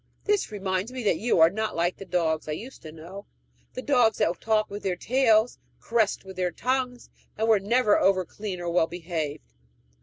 This reminds me that you are not like the dogs I used to know the dogs that talked with their tails, caressed with their tongues, and were never over clean or well behaved.